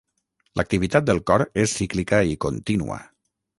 L'activitat del cor és cíclica i contínua.